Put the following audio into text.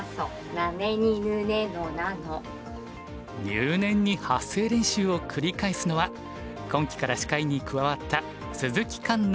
入念に発声練習を繰り返すのは今期から司会に加わった鈴木環那